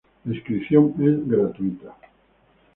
La inscripción es gratuita.